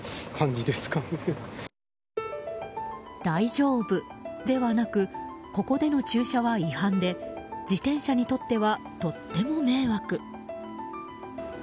大丈夫ではなくここでの駐車は違反で自転車にとってはとっても迷惑。